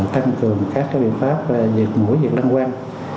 tăng cường các biện pháp dưới mũi dưới lăng quan